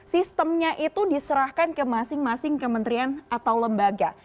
sistemnya itu diserahkan ke masing masing kementerian atau lembaga